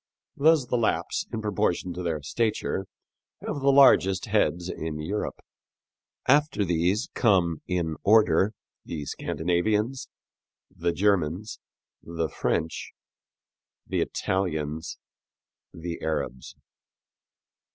Thus the Lapps, in proportion to their stature, have the largest heads in Europe. After these come in order the Scandinavians, the Germans, the French, the Italians, the Arabs.